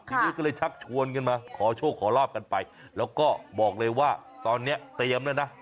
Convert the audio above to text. ทีนี้ก็เลยชักชวนกันมาขอโชคขอลาบกันไปแล้วก็บอกเลยว่าตอนนี้เตรียมแล้วนะ